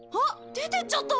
出てっちゃった！